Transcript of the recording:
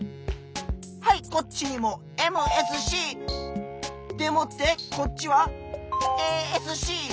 はいこっちにもＭＳＣ！でもってこっちはＡＳＣ！